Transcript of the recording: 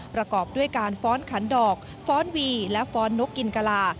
ประกอบด้วยการฟ้อนขันดอกฟ้อนวีและฟ้อนนกกินกะลา